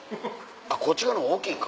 あっこっち側の方が大きいか？